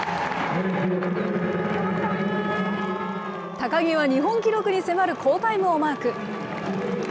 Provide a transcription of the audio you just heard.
高木は日本記録に迫る好タイムをマーク。